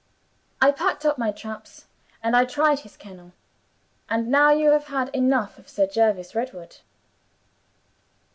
I packed up my traps, and I tried his kennel. And now you have had enough of Sir Jervis Redwood."